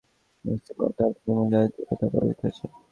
স্ত্রী বললেন, তাহলে কি মুজাহিদরা কোথাও পরাজিত হয়েছে?